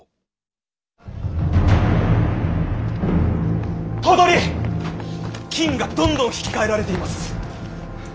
金がどんどん引き換えられています！